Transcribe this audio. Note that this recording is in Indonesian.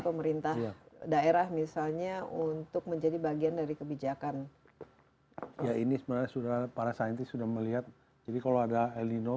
pemerintah daerah misalnya untuk menjadi bagian dari kebijakan ya ini sebenarnya sudah para santri sudah melihat jadi kalau ada el nino